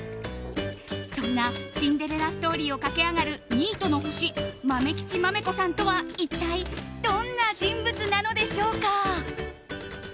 そんなシンデレラストーリーを描き上げるニートの星まめきちまめこさんとは一体どんな人物なのでしょうか。